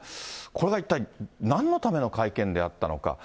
これが一体なんのための会見であったのか。